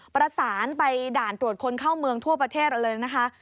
ประสานไปด่านตรวจคนเข้าเมืองทั่วประเทศเราเลยนะคะ